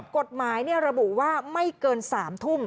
กฎหมายระบุว่าไม่เกิน๓ทุ่ม